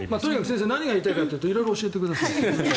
先生何が言いたいかというと色々教えてください。